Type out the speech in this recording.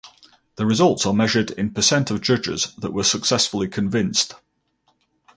The results are measured in per cent of judges that were successfully convinced.